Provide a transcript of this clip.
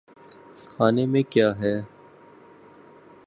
کھانے میں کیا ہے۔